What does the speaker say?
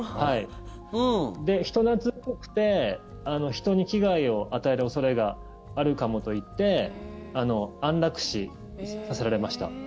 人懐っこくて人に危害を与える恐れがあるかもといって安楽死させられました。